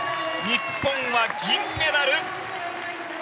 日本は銀メダル。